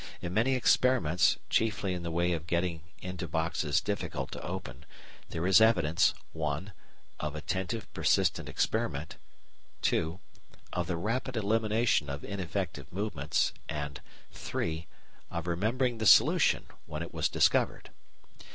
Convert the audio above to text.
In many experiments, chiefly in the way of getting into boxes difficult to open, there is evidence (1) of attentive persistent experiment (2) of the rapid elimination of ineffective movements, and (3) of remembering the solution when it was discovered.